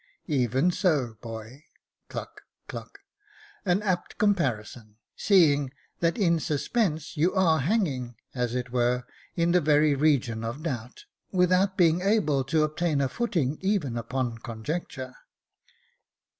" Even so, boy, \cluck, c/uck'], an apt comparison, seeing that in suspense you are hanging, as it were, in the very region of doubt, without being able to obtain a footing even upon conjecture.